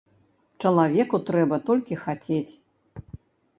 Чалавеку трэба толькі хацець.